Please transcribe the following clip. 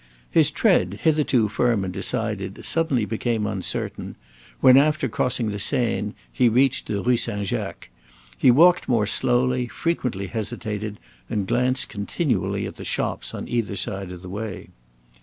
His tread, hitherto firm and decided, suddenly became uncertain when, after crossing the Seine, he reached the Rue St. Jacques. He walked more slowly, frequently hesitated, and glanced continually at the shops on either side of the way.